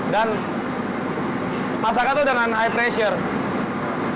dan masakan itu dengan high pressure